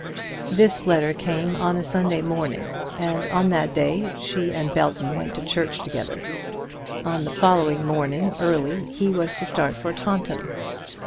This letter came on a Sunday morning, and on that day she and Belton went to church together. On the following morning early he was to start for Taunton.